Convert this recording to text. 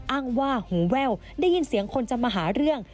อ้างว่าหูแว่วได้ยินเสียงคนจะมาหาเรื่อง